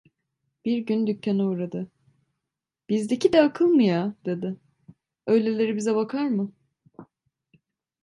Bir gün dükkana uğradı: "Bizdeki de akıl mı ya?" dedi, "öyleleri bize bakar mı?"